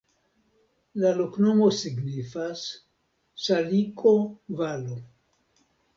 La loknomo signifas: saliko-valo.